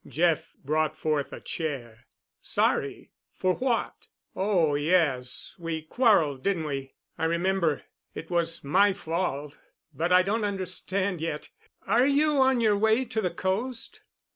Jeff brought forth a chair. "Sorry? What for? Oh, yes, we quarreled, didn't we? I remember. It was my fault. But I don't understand yet. Are you on your way to the coast?"